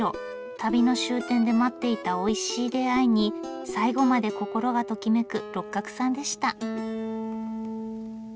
旅の終点で待っていたおいしい出会いに最後まで心がときめく六角さんでした。